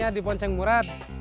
saya mau ke rumah